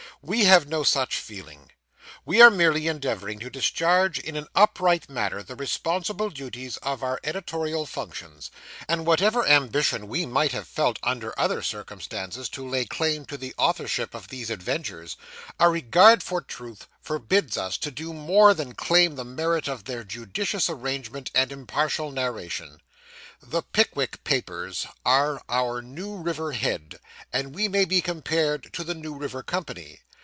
We have no such feeling. We are merely endeavouring to discharge, in an upright manner, the responsible duties of our editorial functions; and whatever ambition we might have felt under other circumstances to lay claim to the authorship of these adventures, a regard for truth forbids us to do more than claim the merit of their judicious arrangement and impartial narration. The Pickwick papers are our New River Head; and we may be compared to the New River Company.